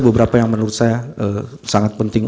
beberapa yang menurut saya sangat penting